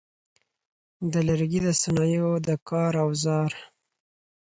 د لرګي د صنایعو د کار اوزار: